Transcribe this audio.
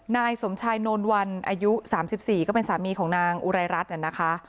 นายสมชายโนนวันอายุสามสิบสี่ก็เป็นสามีของนางอุไรรัฐเนี่ยนะคะ